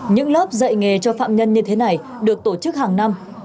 những lớp dạy nghề cho phạm nhân như thế này được tổ chức hàng năm